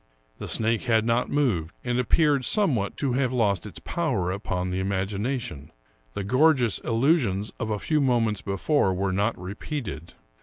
The snake had not moved, and appeared somewhat to have lost its power upon the imagination ; the gorgeous illusions of a few moments before were not repeated.